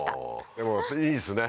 でもいいですね。